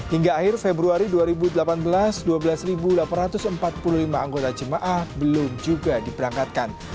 hingga akhir februari dua ribu delapan belas dua belas delapan ratus empat puluh lima anggota jemaah belum juga diberangkatkan